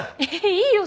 いいよ